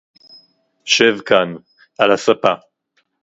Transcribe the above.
שב כאן, על הספה